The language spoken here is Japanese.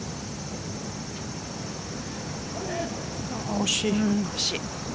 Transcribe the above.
惜しい。